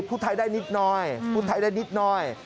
พูดไทยได้นิดน้อย